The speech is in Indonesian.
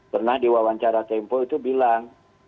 pernah diwawancara tempo itu bilang